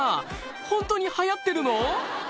ホントに流行ってるの？